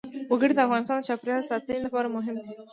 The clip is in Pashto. وګړي د افغانستان د چاپیریال ساتنې لپاره مهم دي.